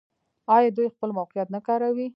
آیا دوی خپل موقعیت نه کاروي؟